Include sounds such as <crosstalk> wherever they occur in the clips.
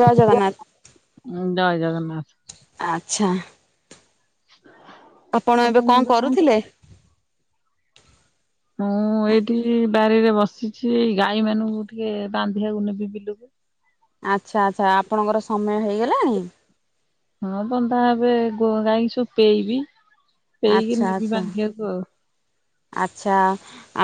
ଜୟ ଜଗନ୍ନାଥ। ଜୟ ଜଗନ୍ନାଥ। ଆଚ୍ଛା। ଆପଣ ଏବେ କଣ କରୁଚ? ମୁଁ ଏଇଠି ବାରିରେ ବସିଛି ଗାଈ ମାନଙ୍କୁ ଟିକେ ବାନ୍ଧିବାକୁ ନେବି ବିଲୁକୁ। ଆଚ୍ଛା-ଆଚ୍ଛା ଆପଣଙ୍କର ସମୟ ହେଇଗଲାଣି? ହଁ ବନ୍ଧା ହେବେ ଗାଈଙ୍କୁ ସବୁ ପେଇବି ପେଇକି ଆଚ୍ଛା ନେବି ଆଚ୍ଛା ବାନ୍ଧିବାକୁ ଆଉ। ଆଚ୍ଛା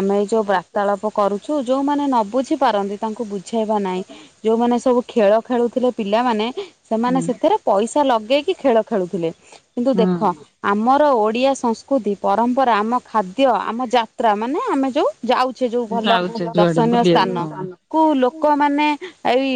ଆମେ ଏ ଯୋଉ ବାର୍ତ୍ତାଳାପ କରୁଛୁ ଯୋଉମାନେ ନ ବୁଝି ପାରନ୍ତି ତାଙ୍କୁ ବୁଝେଇବା ନାଇଁ ଯୋଉମାନେ ସବୁ ଖେଳ ଖେଳୁଥିଲେ ପିଲାମାନେ ସେମାନେ ସେଥେରେ ପଇସା ଲଗେଇକି ଖେଳ ଖେଳୁଥିଲେ କିନ୍ତୁ ହୁଁ ଦେଖ ଆମର ଓଡିଆ ସଂସ୍କୃତି ପରମ୍ପରା ଆମ ଖାଦ୍ୟ ଆମ ଯାତ୍ରା ମାନେ ଆମେ ଯୋଉ ଯାଉ ସେ ଯୋଉ ହୁଁ ଭଲ ଯାଉଛେ ଯୁଆଡେ ଦର୍ଶନୀୟ ସ୍ଥାନ। ବୁଲିବାକୁ ହଁ। କୁ ଲୋକମାନେ ଏଇ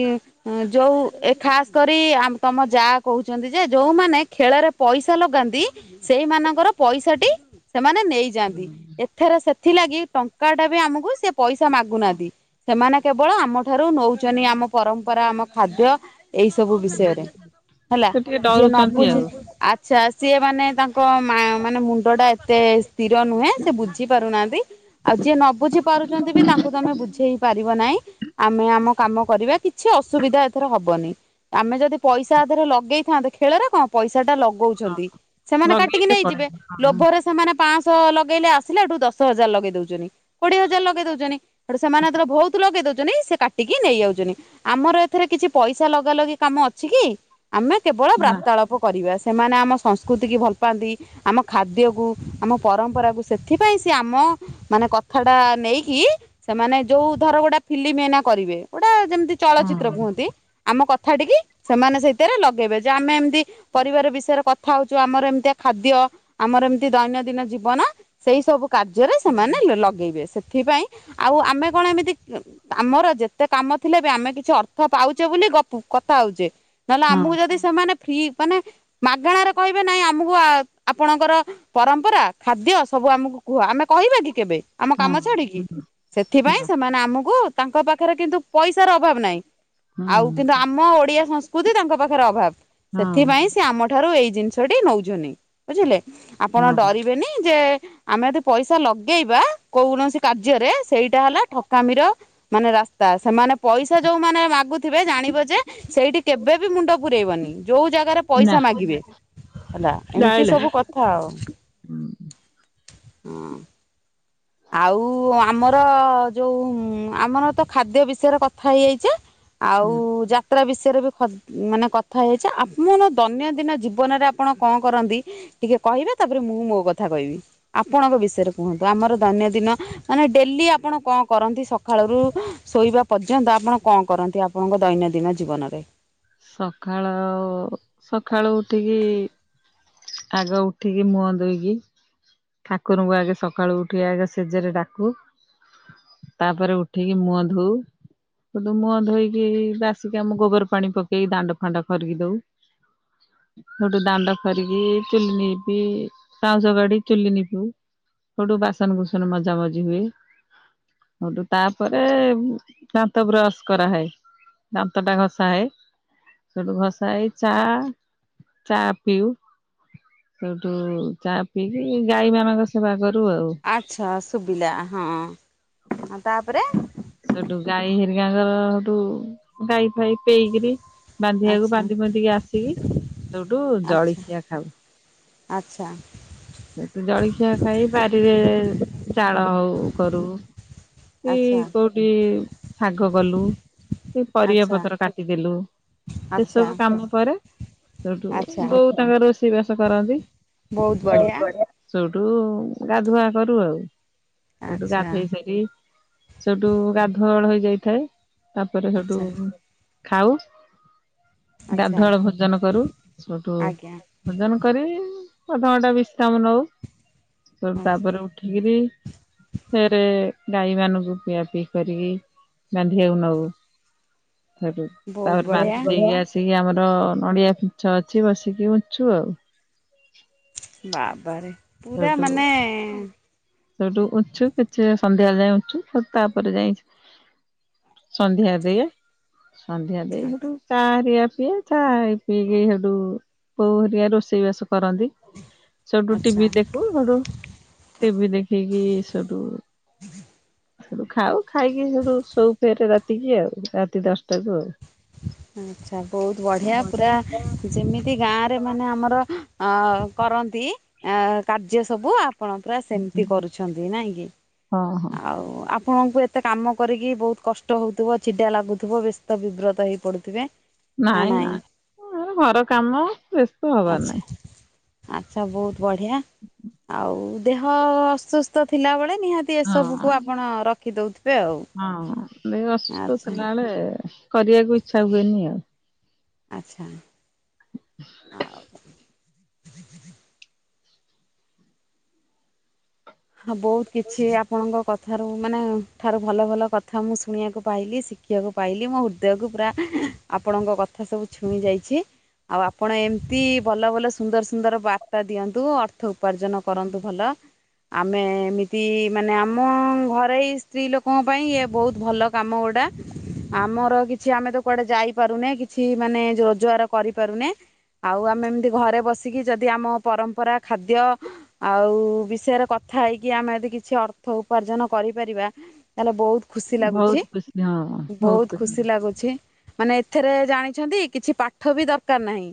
ଯୋଉ ଏ ଖାସ କରି ବି ତମ ଯା କହୁଛନ୍ତି ଯେ ଯୋଉମାନେ ଖେଳରେ ପଇସା ଲଗାନ୍ତି। ସେଇମାନଙ୍କର ପଇସାଟି ସେମାନେ ନେଇଯାଆନ୍ତି। ଏଥର ସେଥିଲାଗି ଟଙ୍କା ଟା ବି ଆମକୁ ସେ ପଇସା ମାଗୁନାହାନ୍ତି। ସେମାନେ କେବଳ ଆମଠାରୁ ନଉଛନ୍ତି ଆମ ପରମ୍ପରା ଆମ ଖାଦ୍ୟ। ଏଇ ସବୁ ବିଷୟରେ ହୁଁ ହେଲା ସେ ଟିକେ ଯିଏ ଡରୁଛନ୍ତି ନବୁଛି ଆଉ ହଁ ଆଛା ସିଏ ମାନେ ତାଙ୍କ ମାନେ ମୁଣ୍ଡ ଟା ଏତେ ସ୍ଥିର ନୁହେଁ। ସେ ବୁଝି ପାରୁନାହାନ୍ତି। ଆଉ ଯିଏ ନ ବୁଝି ପାରୁଛନ୍ତି ବି ତାଙ୍କୁ ତ ଆମେ ବୁଝେଇ ପାରିବ ନାହିଁ ଆମେ ଆମ କାମ କରିବା କିଛି ଅସୁବିଧା ଏଥର ହବନି ଆମେ ଯଦି ପଇସା ଆଦେହରେ ଲଗେଇଥାନ୍ତେ ଖେଳରେ କଣ ପଇସା ଟା ଲଗଉଛନ୍ତି ସେମାନେ କାଟିକି ଲଗେଇଲେ ନେଇଯିବେ ପଳେଇବେ ହଁ ଲୋଭରେ ସେମାନେ ପଂଶ ଲ <inaudible> ଆସିଲେ ଦଶ ହଜାର ଲଗେଇ ଦଉଚନି। କୋଡିଏ ହଜାର ଲଗେଇ ଦଉଚନି ହେଠୁ ସେମାନେର ବହୁତ ଲଗେଇ ଦଉଛନ୍ତିି ସେ କାଟି କାଟିକି ନେଇଯାଉଚନି ଆମର ଏଥିରେ କିଛି ପଇସା ଲଗା ଲଗି କାମ ଅଛି କି? ଆମେ କେବଳ ନା ବ୍ରାତାଳ ସେମାନେ ଆମ ସଂସ୍କୃତି ଭଲ ପାଆନ୍ତି ଆମ ଖକୁ ଆମ ପର ସେଥିପାଇଁ ସେ ଆମ ମାନେ କଥା ଟା ନେଇକି ସେମାନେ ଯୋଉ ଧର ଗୋଟେ ଫିଲ୍ମ ଏଇନା କରିବେ ଗୋଟା ଯେମିତି ହଁ ଚଳଚିତ୍ର କୁହନ୍ତି ଆମ କଥା ଟିକି ସେମାନେ ସେଇଥିରେ ଲଗେଇବେ ଯେ ଆମେ ଏମିତି ପରିବାର ବିଷୟରେ କଥା ହଉଚୁ ଆମର ଏମିତିଆ ଖାଦ୍ୟ ଆମର ଏମତି ଦୈନନ୍ଦିନ ଜୀବନ। ସେଇ ସବୁ କାର୍ଯ୍ୟରେ ସେମାନେ ଲଗେଇବେ ସେଥିପାଇଁ। ଆଉ ଆମେ କଣ ଏମିତି ଆମର ଯେତେ କାମ ଥିଲେ ବି ଆମେ କିଛି ଅର୍ଥ ପାଉଛେ ବୋଲି ଗ କଥା ହଉଛେ ନହେଲେ ହଁ ଆମକୁ ଯଦି ସେମାନେ ଫ୍ରି ମାନେ ମାଗଣାରେ କହିବେ ନାଇଁ ଆମକୁ ଆପଣଙ୍କର ପରମ୍ପରା ଖାଦ୍ୟ ସବୁ ଆମକୁ କୁହ ଆମେ କହିବା କି କେବେ ଆମ ହଁ କାମ ଛାଡିକି ହୁଁ ସେଥିପାଇଁ ସେମାନେ ଆମକୁ ତାଙ୍କ ପାଖରେ କିନ୍ତୁ ପଇସାର ଅଭାବ ନାହିଁ ହୁଁ ଆଉ କିନ୍ତୁ ଆମ ଓଡିଆ ସଂ ବୋଧେ ତାଙ୍କ ପାଖରେ ଅଭାବ ହଁ ସେଥିପାଇଁ ସିଏ ଆମ ଠାରୁ ଏଇ ଜିନିଷଟି ନଉଚୁନି। ବୁଝିଲେ ଆପଣ ହଁ ଡରିବେନି ଯେ। ଆମେ ଯଦି ପଇସା ଲଗେଇବା କୌଣସି କାର୍ଯ୍ୟରେ ସେଇଟା ହେଲା ଠକାମିର ମାନେ ରାସ୍ତା ସେମାନେ ପଇସା ଯୋଉମାନୋନ ମାଗୁଥିବେ ଜାଣିବ ଯେ ସେଇଠି କେବେ ବି ମୁଣ୍ଡ ପୁରେଇବନି ଯୋଉ ଜାଗାରେ ନା ପଇସା ମାଗିବେ ହେଲା ଏମିତି ନାଇଁଲା ସବୁ କଥା। ହଉ। ହୁଁ ହଁ। ଆଉ ଆମର ଯୋଉ ଆମର ତ ଖାଦ୍ୟ ବିଷୟରେ କଥା ହେଇଯାଇଚେ। ଆଉ ହୁଁ। ଯ ଯାତ୍ରା ବିଷୟରେ ବି ମାନେ କଥା ହେଇଛେ ଆପଣ ଦୈନଦିନ ଜୀବନରେ ଆପଣ କଣ କରନ୍ତି। ଟିକେ କହିବେ ତାପରେ ମୁଁ ମୋ କଥା କହିବି ଆପଣଙ୍କ ବିଷୟରେ କୁହନ୍ତୁ ଆମର ଦୈନ ଦିନ ମାନେ ଡେଲି ଆପଣ କଣ କରନ୍ତି ସଳୁ ଶୋଇବା ପର୍ଯ୍ୟନ୍ତ ଆପଣ କଣ କରନ୍ତି ଆପଣଙ୍କ ଦୈନ ଦିନ ସଖାଳ ସକାଳୁ ଉଠିକି। ଆଗ ଉଠିକି ମୁହଁ ଦେଇକି। ଠାକୁରଙ୍କୁ ଆଗେ ସକାଳୁ ଉଠି ଆଗେ ସେଜରେ ଡାକୁ। ତାପରେ ଉଠିକି ମୁହଁ ଧୋଉ। ବଧୁ ମୁହଁ ଧୋଇକି ବାସିକି ଆମ ଗୋବର ପାଣି ପକେଇକି ଦାଣ୍ଡ ଫାଣ୍ଡ ଖରିକି ଦଉ। ସୋଠୁ ଦାଣ୍ଡ ଖରିକି ଚୁଲି ନିପି ପାଉଁଶ କାଡି ଚୁଲି ନିପୁ ସେଠୁ ବାସନ ବୁସନ ମଜା ମଜି ହୁଏ। ସେଠୁ ତାପରେ ଦାନ୍ତ ବ୍ରସ କରାହଏ। ଦାନ୍ତ ଟା ଘଷା ହାଏ। ସେଠୁ ଘସା ଏଇ ଚା ଚା ପିଉ। ସେଠୁ ଚା ପିଇକି ଗାଈ ମାନଙ୍କ ସେବା କରୁ ଆଉ। ଆଚ୍ଛା ଶୁଭିଲା ହଁ ହ ତାପରେ। ସେଠୁ ଗାଈ ହିରିକାଙ୍କର ସେଠୁ ଗାଈ ଫାଇ ପେଇକିରି ବାନ୍ଧିିବାକୁ ଆଚ୍ଛା ବାନ୍ଧି ଫୁଧିକି ଆସିକି ସେଠୁ ଆଚ୍ଛା ଜଳିଖିଆ ଖାଉ। ଆଚ୍ଛା। ସେଠୁ ଜଳଖିଆ ଖାଇ ବାରିରେ ଜାଳ ଉ କରୁ। ସେ ଆଚ୍ଛା କୋଉଠି ଶାଗ କଲୁ। ସେ ପରିବା ଆଚ୍ଛା ପତ୍ର କାଟିଦେଲୁ। ଆଚ୍ଛା ସେସବୁ କାମ ପରେ ସେଠୁ ଆଚ୍ଛା। ବୋଉ ତାଙ୍କର ରୋଷେଇ ବାସ କରନ୍ତି। ବହୁତ ବଢ଼ିଆ ସେଠୁ ସେଠୁ ଗାଧୁଆ କରୁ ଆଉ। ସେଠୁ ଆଚ୍ଛା ଗାଧେଇ ସାରି ସେଠୁ ଗାଧୁଆଳ ହେଇ ଯାଇଥାଏ। ତାପରେ ସେଠୁ ଆଚ୍ଛା ଖାଉ। ଆଚ୍ଛା ଗାଧୁଆଳ ଭୋଜନ କରୁ ସେଠୁ ଆଜ୍ଞା ଭୋଜନ କରି ନଅଟା ବିଶମ କାମ ନଉୁ। ଆଚ୍ଛା ତାପରେ ଉଠିକିରି ସେରେ ଗାଈ ମାନଙ୍କୁ ପିଆ ପିଇ କରିକି ବାନ୍ଧିବାକୁ ନଉ। ହେଠୁ ବହୁତ ତାପରେ ବଢ଼ିଆ ବାନ୍ଧି ଦେଇକି ଅସି ବସିକି ଆମର ନଡିଆ ପିଛ ଅଛି ବସିକି ବୁଛୁ ଆଉ। ବାବାରେ। ପୁରା ସେଠୁ ମାନେ ସେଠୁ ଉଛୁ କିଛି ସନ୍ଧ୍ୟାବେଳେ ଯାଇ ଉଛୁ ତାପରେ ଯାଇଛୁ। ସନ୍ଧ୍ୟା ଦେଇ ସନ୍ଧ୍ୟା ଦେଇ ଆଚ୍ଛା ଗଟୁ ଚା ହାରଆ ପିଇଏ ଚା ପିଇକି ସେଠୁ ବୋଉ ହରିଆ ରୋଷେଇବାସ କରନ୍ତି। ସେଠୁ ଟିଭି ଦେଖୁ ହେଡୁ ଟିଭି ଦେଖିକି ସେଠୁ ସେଠୁ ଖାଉ ଖାଇକି ସବୁ ସୋଉ ଫେରେ ରାତିକି ଆଉ ରାତି ଦଶଟାକୁୁ ଆଉ। ଆଛା ବହୁତ ବଢିଆ ପୁରା। ଯେମିତି ଗାଁରେ ମାନେ ଆମର ଆଁ କରନ୍ତି ଆଁ କାର୍ଯ୍ୟ ସବୁ ଆ ଆପଣ ପୁରା ସେମିତି କରୁଛନ୍ତି ନାଇଁ କି? ହଁ ହଁ। ଆଉ ଆପ ଆପଣଙ୍କୁ ଏତେ କାମ କରିକି ବହୁତ କଷ୍ଟ ହଉଥିବ, ଚିଡ଼ା ଲାଗୁଥିବ, ବ୍ୟସ୍ତ ବିବ୍ରତ ହେଇ ପଡୁଥିବେ। ନାଇଁ ନାଇଁ ଉଁ ଆମ ଘର କାମ ବ୍ୟସ୍ତ ହବାର ନାଇଁ। ଆଛା ବହୁତ ବଢିଆ। ଆଉ ଦେହ ଅସୁସ୍ଥ ଥିଲାବେଳେ ନିହାତି ଏସବୁକୁ ହଁ ଆପଣ ରଖିଦଉଥିବେ ଆଉ। ହଁ ଦେହ ଅସୁସ୍ଥ ଆଚ୍ଛା ଥିଲା ବେଳେ କରିବାକୁ ଇଚ୍ଛା ହୁଏନି ଆଉ। ଆଚ୍ଛା। ଆଉ। <inaudible> ହଁ ବହୁତ କିଛି ଆପଣଙ୍କ କଥାରୁ ମାନେ ଠାରୁ ଭଲ ଭଲ କଥା ମୁଁ ଶୁଣିବାକୁ ପାଇଲି ଶିଖ ଦେଖିବାକୁ ପାଇଲି ମୋ ହୃଦୟକୁ ପୁରା ଆପଣଙ୍କ କଥା ସବୁ ଛୁଇଁ ଯାଇଛି। ଆଉ ଆପଣ ଏମତି ଭଲ ଭଲ ସୁନ୍ଦର ସୁନ୍ଦର ବାର୍ତ୍ତା ଦିଅନ୍ତୁ। ଅର୍ଥ ଉପାର୍ଜନ କରନ୍ତୁ ଭଲ। ଆମେ ଏମିତି ମାନେ ଆମ ଘରୋଇ ସ୍ତ୍ରୀ ଲୋକଙ୍କ ପାଇଁ ଇଏ ବହୁତ ଭଲ କାମ ଗୁଡ଼ା। ଆମର କିଛି ଆମେ ତ କୁଆଡେ ଯାଇପାରୁନେ କିଛି ମାନେ ରୋଜଗାର କରିପାରୁନେ। ଆଉ ଆମେ ଏମିତି ଘରେ ବସିକି ଯଦି ଆମ ପରମ୍ପରା, ଖାଦ୍ୟ ଆଉ ବିଷୟରେ କଥା ହେଇକି ଆମେ ଯଦି କିଛି ଅର୍ଥ ଉପାର୍ଜନ କରିପାରିବା। ତାଲେ ବହୁତ ଖୁସି ବହୁତ ଲାଗୁଛି ଖୁସି ହଁ ବହୁତ ଖୁସି ଲାଗୁଛି। ମାନେ ଏଥିରେ ଜାଣିଛନ୍ତି କିଛି ପାଠ ବି ଦରକାର ନାହିଁ।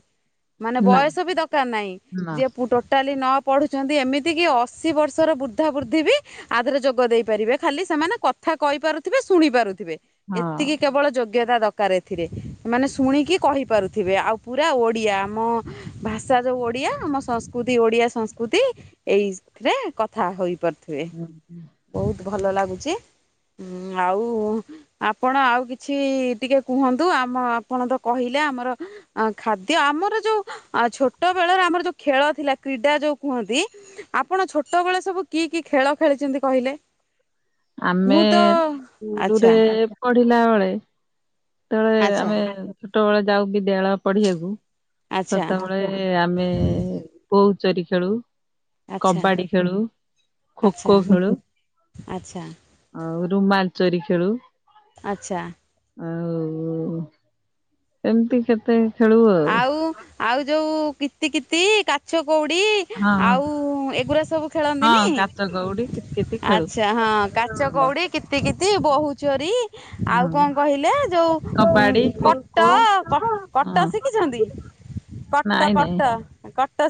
ମାନେ ନା ବୟସ ବି ଦରକାର ନାହିଁ ନା ଯିଏ ଟୋଟାଲି ନ ପଢୁଛନ୍ତି ଏମିତି କି ଅଶୀ ବର୍ଷ ର ବୃଦ୍ଧା ବୃଦ୍ଧି ବି ଆଦିହରେ ଯୋଗ ଦେଇପାରିବେ ଖାଲି ସେମାନେ କଥା କହିପାରୁଥିବେ ଶୁଣି ପାରୁଥିବେ। ଏତିକି ହଁ। କେବଳ ଯୋଗ୍ୟତା ଦ ଦରକାର ଏଥିରେ ମାନେ ଶୁଣିକି କହିପାରୁଥିବେ ଆଉ ପୁରା ଓଡ଼ିଆ ଆମ ଭାଷା ତ ଓଡିଆ ଆମ ସଂସ୍କୃତି ଓଡିଆ ସଂସ୍କୃତି ଏଇଥିରେ କ କଥା ହୋଇପାରୁଥିବେ ବହୁତ ଭଲ ଲାଗୁଛି ଆଉ ଆପଣ ଆଉ କିଛି ଟିକେ କୁହନ୍ତୁ ଆମ ଆପଣତ କହିଲେ ଆମର ଆ ଖାଦ୍ୟ ଆମର ଯୋଉ ଛୋଟ ବେଳର ଆମର ଯୋଉ ଖେଳ ଥିଲା କ୍ରୀଡ଼ା ଯୋଉ କୁହନ୍ତି ଆପଣ ଛୋଟବେଳେ ସବୁ କି କି ଖେଳ ଖେଳିଛନ୍ତି କହିଲେ? ଆମେ ମୁଁ ତ ସ୍କୁଲରେ ଆଚ୍ଛା ପଢ଼ିଲା ବେଳେ ସେତେବେଳେ ଆଚ୍ଛା ଆମେ ଛୋଟବେଳେ ଯାଉ ବିଦ୍ୟାଳୟ ପଢ଼ିବାକୁ। ଆଚ୍ଛା ସେତେବେଳେ ଆମେ ବୋଉଚୋରି ଖେଳୁ ଆଚ୍ଛା କବାଡ଼ି ଖେଳୁ ଖୋ ଆଚ୍ଛା ଖୋ ଖେଳୁ। ଆଚ୍ଛା। ଆଉ ରୁମାଲଚୋରି ଖେଳୁ। ଆଚ୍ଛା। ଆଉ ଏମିତି କେତେ ଖେଳୁ ଆଉ ଆଉ ଯୋଉ କୀତି କୀତି କାଚକଉଡ଼ି ହଁ ଆଉ ଏଗୁୁରା ସବୁ ଖେଳନ୍ତିନି ହଁ କାଚ କଉଡି କିତିକିତି ଖେଳୁ। ଆଚ୍ଛା। ହଁ ହଁ କାଚକଉଡ଼ି କିତିକିତି ବୋହୁ ଚୋରି ଆଉ ହଁ କଣ କହିଲେ ଯୋଉ ଉ କବାଡି ଖୋ କଟ ଖୋ କ କଟ ହଁ ଶିଖିଛନ୍ତି। କଟ ନାଇଁ ନାଇଁ କଟ କଟ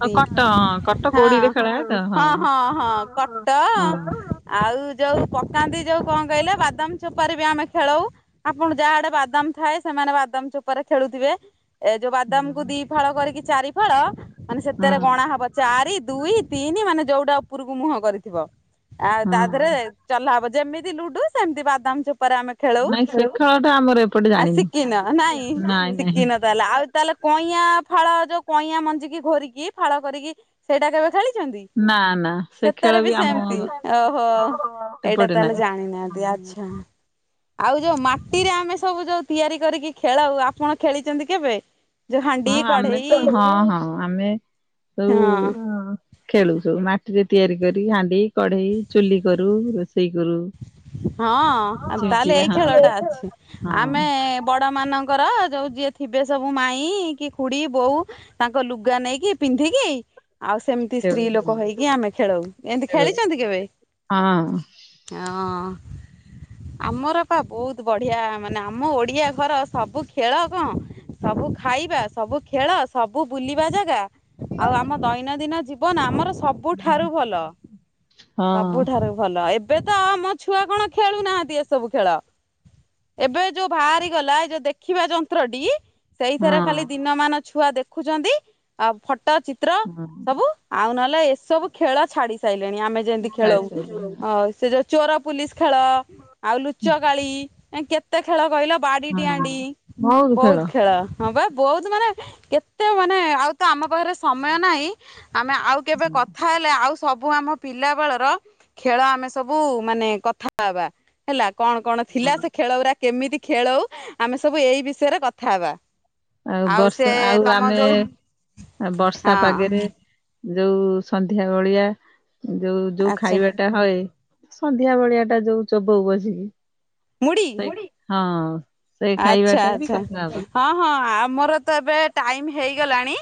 ଆଉ କଟ ହଁ କଟ ହଁ ଗୋଡିରେ ଖେଳାଏ ତ ହଁ ହଁ ହଁ। କଟ ହଁ। ଆଉ ଯୋଉ ପକାନ୍ତି ଯୋଉ କଣ କହିଲେ ବାଦାମ ଚୋପାରେ ବି ଆମେ ଖେଳଉ ଆପଣ ଯାହା ଆଡ଼େ ବାଦାମ ଥାଏ ସେମାନେ ବାଦାମ ଚୋପାରେ ଖେଳୁଥିବେ ଏ ଯୋଉ ବାଦାମକୁ ଦି ଫାଳ କରିକି ଚାରି ଫାଳ ମାନେ ହଁ ସେଥିରେ ଗଣା ହବ ଚାରି ଦୁଇ ତିନି ମାନେ ଯୋଉଟା ଉପରକୁ ମୁହଁ କରିଥିବ ଆଉ ତା ହଁ। ଦେହରେ ଚଲା ହବ ଯେମିତି ଲୁଡୁ ସେମିତି ବାଦାମ ଚୋ ଚୋପାରେ ଆମେ ଖେଳଉ ନାଇଁ ସେ ଖେଳ ଟା ଆମର ଏପଟେ ଆ ଜାଣିନୁ ଶିଖିନ ନାଇଁ। ଶିକିନ ତାହେଲେ ଆଉ ତାହେଲେ କଇଁଆ ଫଳ ଯୋଉ କଇଁଆ ମଞ୍ଜିକୁ ଘୋରିକି ଫାଳ କରିକି ସେଇଟା କେବେ ଖେଳିଛ ଖେଳିଛନ୍ତି ନା ନା ସେ ସେତେରେ ଖେଳ ବି ଆମ ସେମିତି ଓହୋ। ଏଇଟା ଏପଟେ ତାହେଲେ ନାହିଁ ଜାଣିନାହାନ୍ତି ଆ ଆଚ୍ଛା ଆଉ ଯୋଉ ମାଟିରେ ଆମେ ସବୁ ଯୋଉ ତିଆରି କରିକି ଖେଳଉ ଆପଣ ଖେଳିଛନ୍ତି କେବେ? ଯୋଉ ହାଣ୍ଡି ହଁ ଆମେ କଢେଇ ତ ହଁ ହଁ ଆମେ ସବୁ ହଁ ଖେଳୁ ସବୁ ମାଟିରେ ତିଆରି କରି ହାଣ୍ଡି କଢ଼େଇ ଚୁଲି କରୁ ରୋଷେଇ କରୁ। ହଁ ମିଛି ତାହେଲେ ମିଛିକା ଏଇ ହଁ ଖେଳଟା ଅଛି ହଁ ଆମେ ବଡ଼ ମାନ ମାନଙ୍କର ଯୋଉ ଯିଏ ଥିବେ ସବୁ ମାଇଁ କି ଖୁଡ଼ି ବୋଉ ତାଙ୍କ ଲୁଗା ନେଇକି ପିନ୍ଧିକି ଆଉ ସେମିତି ଖେଳୁ ସ୍ତ୍ରୀ ଲୋକ ହଁ। ହେଇକି ଆମେ ଖେଳଉ ଏମିତି ଖେଳିଛନ୍ତି କେବେ? ହଁ। ହଁ। ଆମର ପା ବହୁତ ବଢ଼ିଆ ମାନେ ଆମ ଓଡ଼ିଆ ଘର ସବୁ ଖେଳ କଁ? ସବୁ ଖାଇବା ସବୁ ଖେଳ ସବୁ ବୁଲିବା ଯାଗା ଆଉ ଆମ ଦୈନନ୍ଦିନ ଜୀବନ ଆମର ସବୁଠାରୁ ଭଲ ହଁ ସବୁଠାରୁ ଭଲ ଏବେ ତ ଆମ ଛୁଆ କଣ ଖେଳୁନାହାନ୍ତି ଏସବୁ ଖେଳ। ଏବେ ଯୋଉ ଭାଆରି ଗଲା ଏଇ ଯୋଉ ଦେଖିବା ଯନ୍ତ୍ରଟି ସେଇଥିରେ ଖାଲି ହଁ ଦିନମାନ ଛୁଆ ଦେଖୁଛନ୍ତି ଆଉ ଫଟୋ ଚିତ୍ର ହଁ ସବୁ। ଆଉ ନହେଲେ ଏସବୁ ଖେଳ ଛାଡ଼ି ସାରିଲେଣି ଆମେ ଯେମିତି ସାରି ଖେଳଉ ସାରିଲୁଣି ଅ ସେ ଯୋଉ ଚୋର ପୁଲିସ ଖେଳ। ମ ଆଉ ଲୁଚକାଳି ଏନି କେତେ ଖେଳ କହିଲ ବାଡ଼ିଡିଆଁ ହଁ। ଡ଼ିଇଁ ବହୁତ ଖେଳ। ହଁ ପା ବଉତ ମାନେ କେତେ ମାନେ ଆଉ ତ ଆମ ପାଖରେ ସମୟ ନାହିଁ ଆମେ ଆଉ କେବେ କଥା ହେଲେ ଆଉ ସବୁ ଆମ ପିଲା ବେଳର ଖେଳ ଆମେ ସ ସବୁ ମାନେ କଥା ହେବା ହେଲା କଣ କଣ ଥିଲା ସେ ଖେଳଉରା କେମିତି ଖେଳଉ ଆମେ ସବୁ ଏଇ ବିଷୟରେ କଥା ହବା। ଆଉ ବର୍ଷା ଆଉ ଆମେ ବର୍ଷା ହଁ ପାଗେରେ ଯୋଉ ସନ୍ଧ୍ୟା ବଳିଆ ଯୋଉ ଯୋଉ ଆଚ୍ଛା ଖାଇବା ଟା ହଏ ସନ୍ଧ୍ୟା ବଳିଆ ଟା ଯୋଉ ଚୋବଉ ବସିକି ମୁଢି ସେଇ ହଁ। ସେଇ ଆଚ୍ଛା ଖାଇବାଟା ବି ଆଚ୍ଛା କଥା ହଁ। ହବା ହଁ ଆମର ତ ଏବେ ଟାଇମ ହେଇଗଲାଣି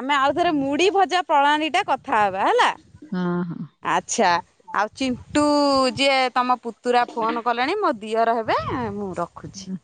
ଆମେ ଆଉଥରେ ମୁଡ଼ି ଭଜା ପ୍ରଣାଣିଟା କଥାହବା ହେଲା। ହଁ ହଁ। ଆଚ୍ଛା। ଆଉ ଚିଣ୍ଟୁ ଯିଏ ତମ ପୁତୁରା ଫୋନ କଲେଣି ମୋ ଦିଅର ହେବେ ମୁଁ ର ହୁଁ